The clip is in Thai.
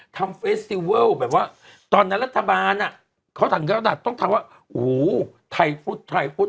เฟสติเวิลแบบว่าตอนนั้นรัฐบาลอ่ะเขาถึงระดับต้องถามว่าโอ้โหไทยฟุตไทยฟุต